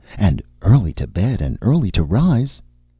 And early to bed and early to rise...."